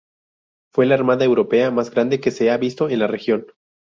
Fue la armada europea más grande que se había visto en la región.